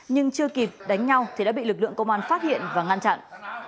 nhưng chưa kịp đánh nhau thì đã bị lực lượng công an phát hiện và ngăn chặn